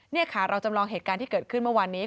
นี่ค่ะเราจำลองเหตุการณ์ที่เกิดขึ้นเมื่อวานนี้